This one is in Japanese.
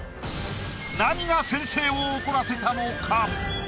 何が先生を怒らせたのか⁉